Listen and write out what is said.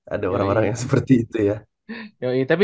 ada orang orang yang seperti itu ya